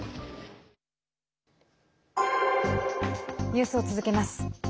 ニュースを続けます。